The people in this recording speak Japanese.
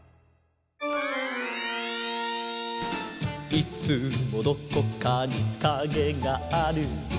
「いつもどこかにカゲがある」